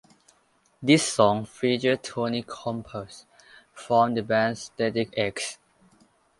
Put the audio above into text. This song features Tony Campos from the band Static X.